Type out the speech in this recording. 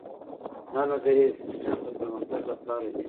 دا نظریې د سیسټم د پرمختګ لپاره دي.